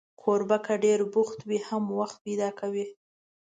کوربه که ډېر بوخت وي، هم وخت پیدا کوي.